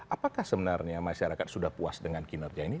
apakah sebenarnya masyarakat sudah puas dengan kinerja ini